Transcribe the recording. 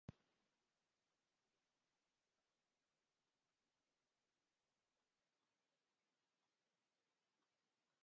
The border between Routt and White River national forests also crosses the pass.